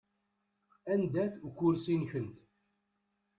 Anda-t ukursi-nkent?